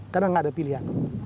karena gak ada pilihan